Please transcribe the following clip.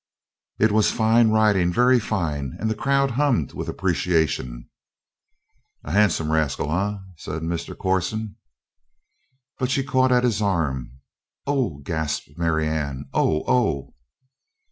It was fine riding, very fine; and the crowd hummed with appreciation. "A handsome rascal, eh?" said Mr. Corson. But she caught at his arm. "Oh!" gasped Marianne. "Oh! Oh!"